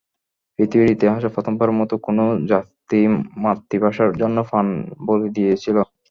পৃথিবীর ইতিহাসে প্রথমবারের মতো কোনো জাতি মাতৃভাষার জন্য প্রাণ বলি দিয়েছিল।